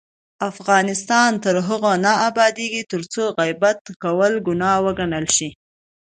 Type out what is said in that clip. افغانستان تر هغو نه ابادیږي، ترڅو غیبت کول ګناه وګڼل شي.